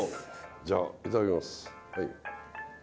じゃあいただきます。